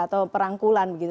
atau perangkulan begitu